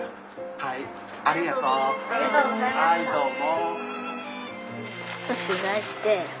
はいどうも。